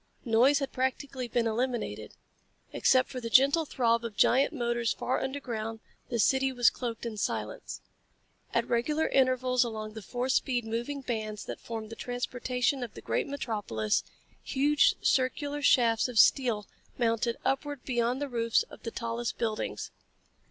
Noise had practically been eliminated. Except for the gentle throb of giant motors far underground, the city was cloaked in silence. At regular intervals along the four speed moving bands that formed the transportation of the great metropolis, huge circular shafts of steel mounted upward beyond the roofs of the tallest buildings.